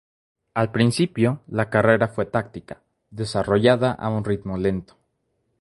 Al principio la carrera fue táctica, desarrollada a un ritmo lento.